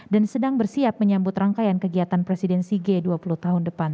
dan sedang bersiap menyambut rangkaian kegiatan presidensi g dua puluh tahun depan